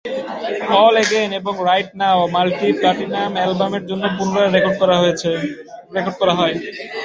"All Again" এবং "Right Now" multiplatinum অ্যালবামের জন্য পুনরায় রেকর্ড করা হয়।